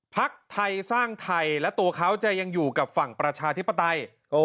พักไทยสร้างไทยและตัวเขาจะยังอยู่กับฝั่งประชาธิปไตย